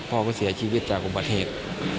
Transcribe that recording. พ่อก็เสียชีวิตจากอุบัติเหตุ